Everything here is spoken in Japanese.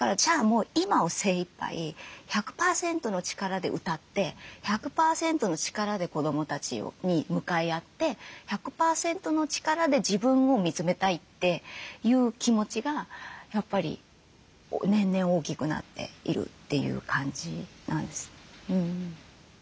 もう今を精いっぱい１００％の力で歌って１００％の力で子どもたちに向かい合って１００％の力で自分を見つめたいっていう気持ちがやっぱり年々大きくなっているという感じなんです。